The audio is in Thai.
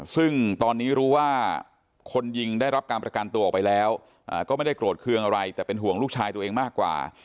ซึ่งตอนนี้รู้ว่าคนยิงได้รับการประกันตัวออกไปแล้วก็ไม่ได้โกรธเครื่องอะไรแต่เป็นห่วงลูกชายตัวเองมากกว่า